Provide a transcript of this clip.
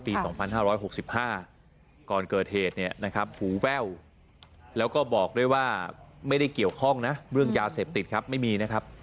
ปี๒๕๖๕ก่อนเกิดเหตุเนี่ยนะครับหูแว่วแล้วก็บอกด้วยว่าไม่ได้เกี่ยวข้องนะเรื่องยาเสพติดครับไม่มีนะครับ